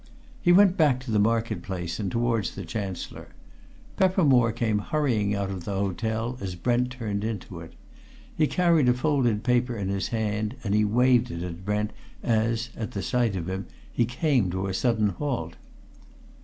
He went back to the market place and towards the Chancellor. Peppermore came hurrying out of the hotel as Brent turned into it. He carried a folded paper in his hand, and he waved it at Brent as, at sight of him, he came to a sudden halt.